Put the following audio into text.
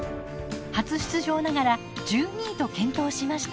初出場ながら１２位と健闘しました。